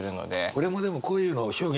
俺もでもこういうの表現